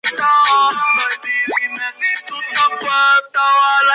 Gary el caracol es el primero que observa el mal aliento de Bob Esponja.